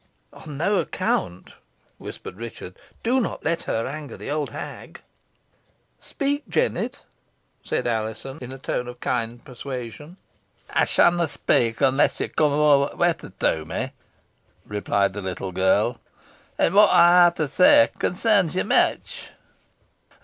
"On no account," whispered Richard. "Do not let her anger the old hag." "Speak, Jennet," said Alizon, in a tone of kind persuasion. "Ey shanna speak onless ye cum ower t' wetur to me," replied the little girl; "an whot ey ha to tell consarns ye mitch."